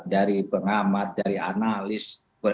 dari pengamat dari analis